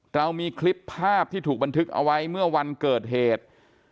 เรามีคลิปภาพที่ถูกบันทึกเอาไว้เมื่อวันเกิดเหตุ